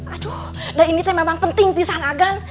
aduh dan ini memang penting bisaan agan